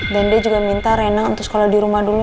dan dia juga minta rena untuk sekolah di rumah dulu